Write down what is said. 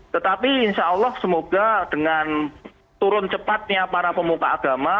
tetapi insya allah semoga dengan turun cepatnya para pemuka agama